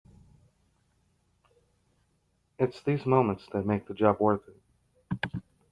It's these moments that make the job worth it.